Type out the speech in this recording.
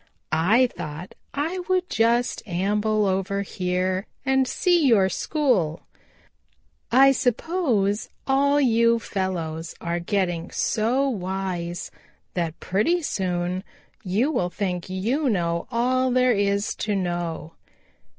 "I thought I would just amble over here and see your school. I suppose all you fellows are getting so wise that pretty soon you will think you know all there is to know.